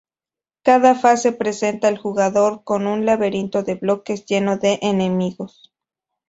Cada fase presenta al jugador con un laberinto de bloques lleno de enemigos.